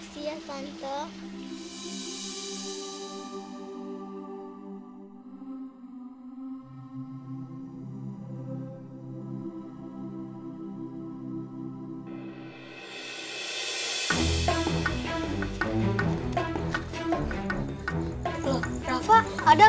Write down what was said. semoga doa semangat